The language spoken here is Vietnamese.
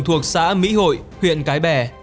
thuộc xã mỹ hội huyện cái bè